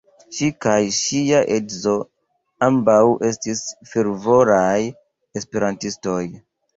Ŝi kaj ŝia edzo ambaŭ estis fervoraj esperantistoj.